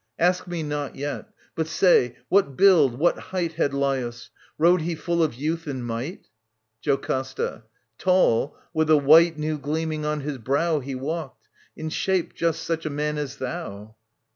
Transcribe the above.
Ask me not yet. But say, what build, what height Had Laius ? Rode he full of youth and might ? JoCASTA. Tall, with the white new gleaming on his brow He walked. In shape just such a man as thou.